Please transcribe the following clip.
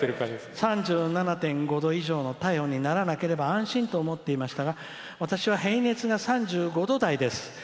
「３７．５度以上の体温にならなければ安心と思っていましたが私は平熱が３５度台です。